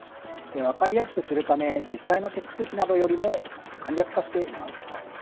分かりやすくするため実際の手続きなどよりも簡略化しています。